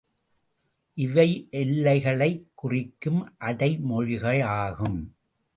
இவை எல்லைகளைக் குறிக்கும் அடை மொழிகளாகும்.